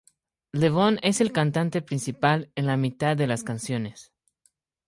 Levon es el cantante principal en la mitad de las canciones.